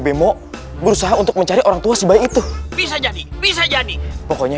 bemo berusaha untuk mencari orang tua sebaik itu bisa jadi bisa jadi pokoknya